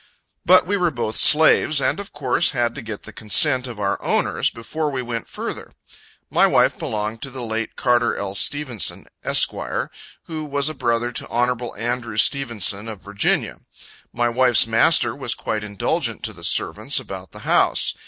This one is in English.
But we were both slaves, and of course had to get the consent of our owners, before we went further. My wife belonged to the late Carter L. Stephenson, Esq., who was a brother to Hon. Andrew Stephenson, of Va. My wife's master was quite indulgent to the servants about the house.